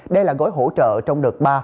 đây là gói hỗ trợ trong đợt ba